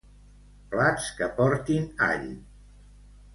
Plats que portin all.